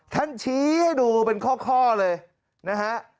ชี้ให้ดูเป็นข้อเลยนะฮะ